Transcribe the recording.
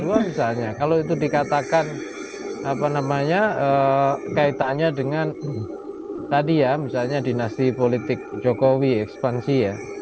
kedua misalnya kalau itu dikatakan apa namanya kaitannya dengan tadi ya misalnya dinasti politik jokowi ekspansi ya